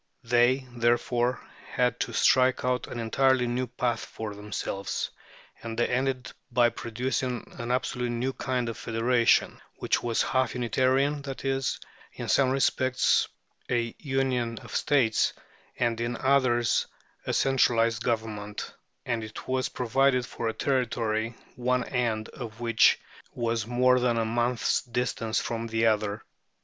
They, therefore, had to strike out an entirely new path for themselves, and they ended by producing an absolutely new kind of federation, which was half Unitarian, that is, in some respects a union of states, and in others a centralized government; and it was provided for a Territory one end of which was more than a month's distance from the other.